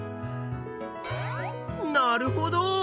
なるほど！